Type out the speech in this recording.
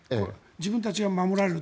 自分たちが守られる。